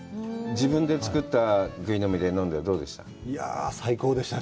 自分でつくったぐい呑で飲んで、どうでした？